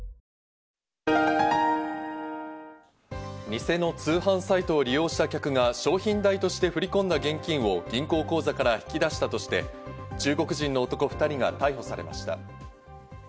偽の通販サイトを利用した客が商品代として振り込んだ現金を銀行口座から引き出したとして、中国人の男２人が逮捕されました。